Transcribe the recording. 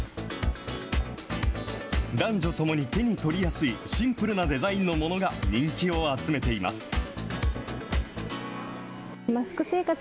男女ともに手に取りやすいシンプルなデザインのものが人気を集めています。